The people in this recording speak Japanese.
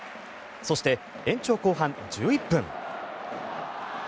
そして延長後半１１分。